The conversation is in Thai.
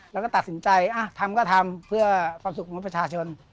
แล้วก็ตัดสินใจทำก็ทำเพื่อความสุขของประชาชน